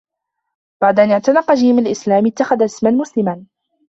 بعد أن اعتنق جيم الإسلام، اتّخذ اسما مسلما.